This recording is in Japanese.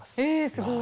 すごい。